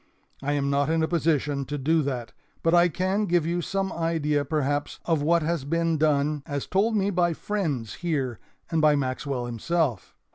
I am not in a position to do that, but I can give you some idea perhaps of what has been done as told me by friends here and by Maxwell himself.